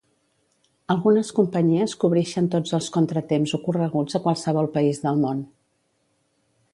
Algunes companyies cobrixen tots els contratemps ocorreguts a qualsevol país del món.